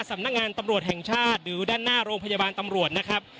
สำนักงานตำรวจแห่งชาติหรือด้านหน้าโรงพยาบาลตำรวจนะครับ